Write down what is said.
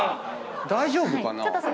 大丈夫かな？